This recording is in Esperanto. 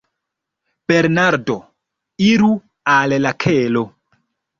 Bernardo: Iru al la kelo.